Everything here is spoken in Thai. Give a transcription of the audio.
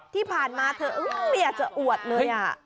ที่ผ่านมาเธอไม่อยากจะอวดเลย